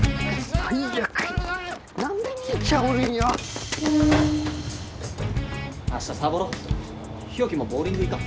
最悪や何で兄ちゃんおるんよ明日サボろ日沖もボウリング行かん？